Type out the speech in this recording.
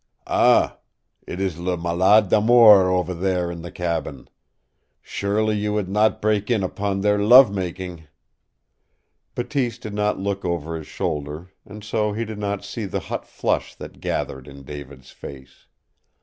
Ah it is le malade d'amour over there in the cabin. Surely you would not break in upon their love making?" Bateese did not look over his shoulder, and so he did not see the hot flush that gathered in David's face.